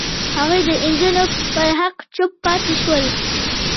هغوی د نجونو پر حق چوپ پاتې شول.